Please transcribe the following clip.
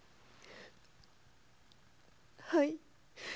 はい。